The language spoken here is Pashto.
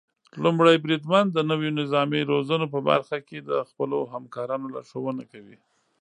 لومړی بریدمن د نويو نظامي روزنو په برخه کې د خپلو همکارانو لارښونه کوي.